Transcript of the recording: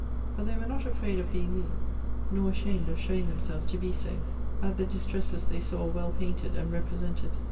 But they were not afraid of being moved, nor ashamed of showing themselves to be so, at the distresses they saw well painted and represented.